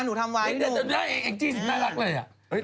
หนูทำไว้พี่หนุ่ม